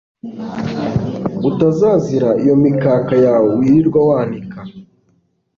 utazazira iyo mikaka yawe wirirwa wanika